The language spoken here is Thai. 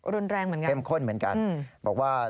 รุนแรงเหมือนกันเข้มข้นเหมือนกันบอกว่า